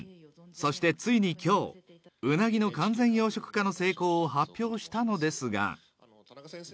そしてついにきょう、ウナギの完全養殖化の成功を発表したのですが。